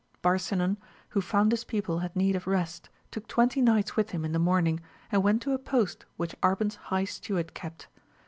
Barsinan, who found his people had need of rest, took twenty knights with him in the morning, and went to a post which Arban's high steward kept.